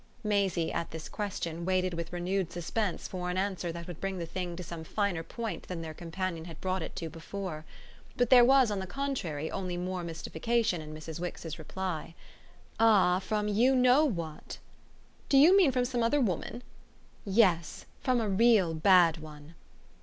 Maisie, at this question, waited with renewed suspense for an answer that would bring the thing to some finer point than their companion had brought it to before. But there was on the contrary only more mystification in Mrs. Wix's reply. "Ah from you know what!" "Do you mean from some other woman!" "Yes from a real bad one."